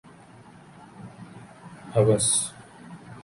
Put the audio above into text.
Hausa